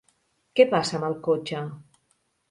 Que passa amb el cotxe?